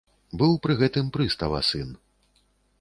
Быў пры гэтым прыстава сын.